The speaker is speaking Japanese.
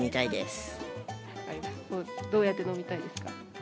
どうやって飲みたいですか。